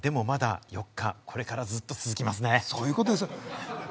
ようやく４日、でもまだ４日、これからずっと続きますね。